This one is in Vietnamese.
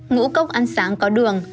ngũ cốc ăn sáng có đường